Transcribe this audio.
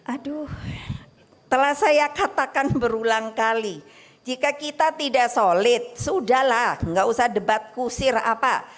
aduh telah saya katakan berulang kali jika kita tidak solid sudahlah nggak usah debat kusir apa